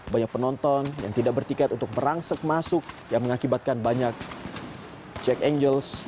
banyak penonton yang tidak bertiket untuk merangsek masuk yang mengakibatkan banyak jack angels